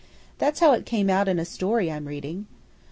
That's how it came out in a story I'm reading."